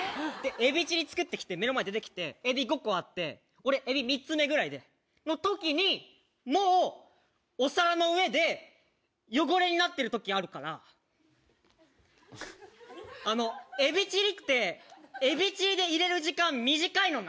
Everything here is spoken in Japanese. エビチリ作ってきて、目の前出てきて、エビ５個あって、俺エビ３つ目ぐらいで、ときに、もうお皿の上で汚れになってるときあるから、エビチリって、エビチリでいれる時間短いのな。